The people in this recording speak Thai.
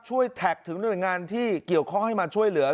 แท็กถึงหน่วยงานที่เกี่ยวข้องให้มาช่วยเหลือ